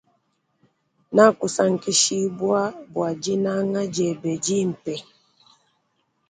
Na kusankishibwa bwa dinanga diebe dimpe.